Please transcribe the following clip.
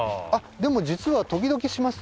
でも実は時々します。